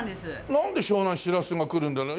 なんで湘南はしらすが来るんだろう？